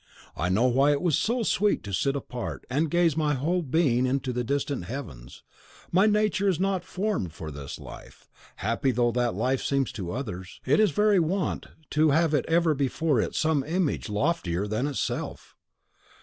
I know why it was so sweet to sit apart and gaze my whole being into the distant heavens. My nature is not formed for this life, happy though that life seem to others. It is its very want to have ever before it some image loftier than itself!